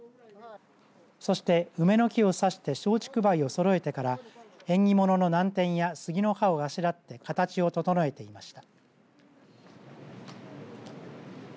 そして梅の木を挿して松竹梅をそろえてから縁起物の南天や杉の葉をあしらって形を整えていました。